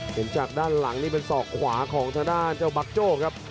เห็นจากด้านหลังนี่เป็นศอกขวาของทางด้านเจ้าบักโจ้ครับ